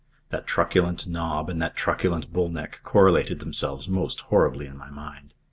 That truculent knob and that truculent bull neck correlated themselves most horribly in my mind.